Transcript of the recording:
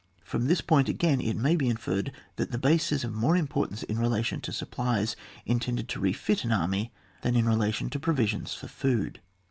From this point, again, it may be inferred that the base is of more importance in relation to sup plies intended to refit an army than in relation to provisions for food.